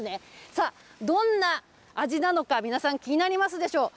さあ、どんな味なのか、皆さん、気になりますでしょ。